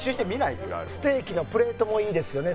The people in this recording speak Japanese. ステーキのプレートもいいですよね。